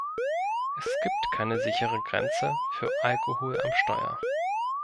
Es gibt keine sichere Grenze für Alkohol am Steuer.